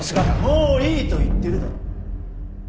もういいと言ってるだろ！